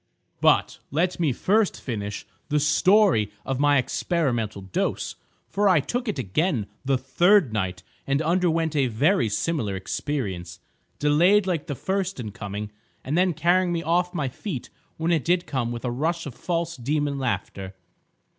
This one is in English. "But, let me first finish the story of my experimental dose, for I took it again the third night, and underwent a very similar experience, delayed like the first in coming, and then carrying me off my feet when it did come with a rush of this false demon laughter.